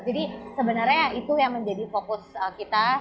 jadi sebenarnya itu yang menjadi fokus kita